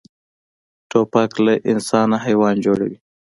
توپک له انسان حیوان جوړوي.